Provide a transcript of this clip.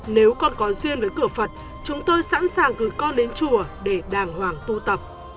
nếu con có duyên với cửa phật chúng tôi sẵn sàng gửi con đến chùa để đàng hoàng tu tập